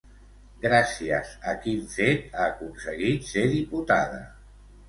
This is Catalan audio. Gràcies a quin fet ha aconseguit ser diputada?